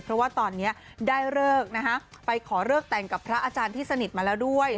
เพราะว่าตอนนี้ได้เลิกนะฮะไปขอเลิกแต่งกับพระอาจารย์ที่สนิทมาแล้วด้วย